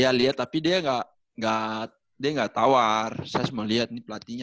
iya liat tapi dia gak tawar saya cuma liat nih pelatihnya